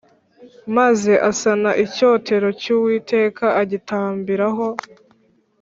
Maze asana icyotero cy Uwiteka agitambiraho